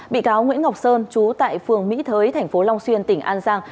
bị cáo nguyễn ngọc sơn trú tại phường mỹ thới thành phố long xuyên tỉnh an giang